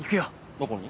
どこに？